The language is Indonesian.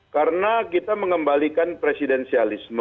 karena kita mengembalikan presidensialisme